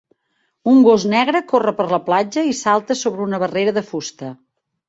Un gos negre corre per la platja i salta sobre una barrera de fusta.